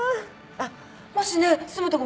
あっもしね住むとこ